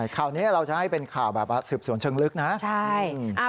ข่าวนี้เราจะให้เป็นข่าวแบบสืบสวนเชิงลึกนะใช่